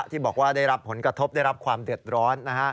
ที่บอกว่าได้รับผลกระทบได้รับความเดือดร้อน